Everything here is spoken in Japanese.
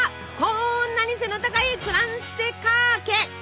こんなに背の高いクランセカーケ！